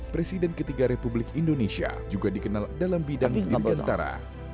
presiden ketiga republik indonesia juga dikenal dalam bidang dirgantara